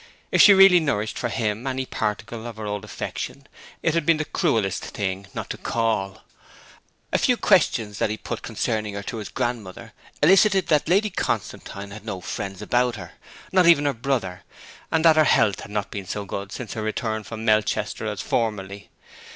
If she really nourished for him any particle of her old affection it had been the cruellest thing not to call. A few questions that he put concerning her to his grandmother elicited that Lady Constantine had no friends about her not even her brother and that her health had not been so good since her return from Melchester as formerly.